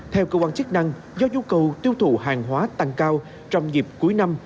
theo cơ quan chức năng do nhu cầu tiêu thụ hàng hóa tăng cao trong dịp cuối năm